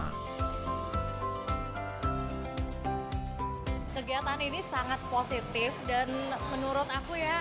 kegiatan ini sangat positif dan menurut aku ya